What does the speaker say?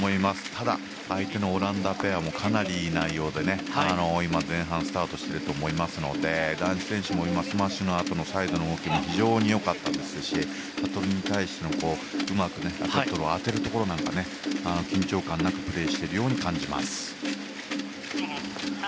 ただ、相手のオランダペアもかなりいい内容で今、前半スタートしていると思いますので男子選手も今、スマッシュのあとサイドへの動きも非常に良かったですしうまくラケットを当てるところでも、緊張感なくプレーしているように感じます。